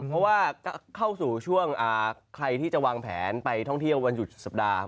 เพราะว่าเข้าสู่ช่วงใครที่จะวางแผนไปท่องเที่ยววันหยุดสัปดาห์